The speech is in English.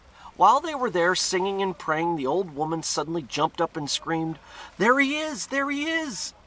While they were there singing and praying the old woman suddenly jumped up and screamed, 'There he is! there he is!'